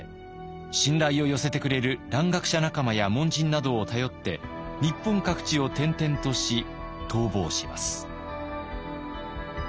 信頼を寄せてくれる蘭学者仲間や門人などを頼って日本各地を転々とし逃亡します。